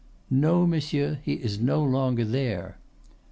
"No, monsieur, he is no longer there."